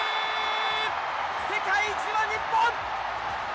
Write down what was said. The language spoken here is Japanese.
世界一は日本！